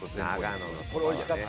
これ美味しかった。